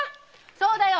そうだよ！